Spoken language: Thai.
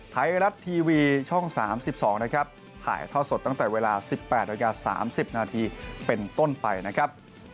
ไทยรัฐทีวีช่อง๓๒นะครับถ่ายท่อสดตั้งแต่เวลา๑๘นาที๓๐นาทีเป็นต้นไปนะครับ